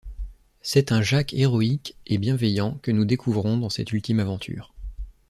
C'est un Jak héroïque et bienveillant que nous découvrons dans cette ultime aventure.